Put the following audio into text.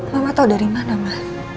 mama tau dari mana ma